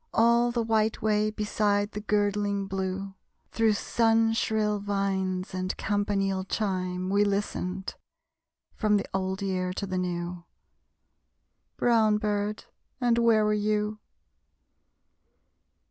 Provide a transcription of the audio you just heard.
All the white way beside the girdling blue, Through sun shrill vines and campanile chime, We listened; from the old year to the new. Brown bird, and where were you?